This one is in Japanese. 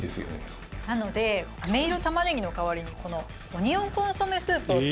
「なので飴色玉ねぎの代わりにこのオニオンコンソメスープを使って」